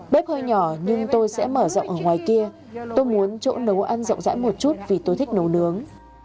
bếp hơi nhỏ nhưng tôi sẽ mở rộng ở ngoài kia tôi muốn chỗ nấu ăn rộng rãi một chút vì tôi thích nấu nướng